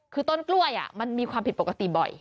คือต้นกล้วยมันมีความผิดปกติบ่อย